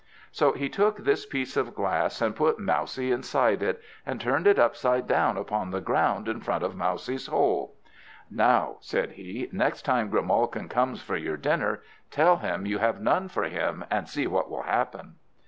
So he took this piece of glass and put Mousie inside it, and turned it upside down upon the ground in front of Mousie's hole. "Now," said he, "next time Grimalkin comes for your dinner, tell him you have none for him, and see what will happen."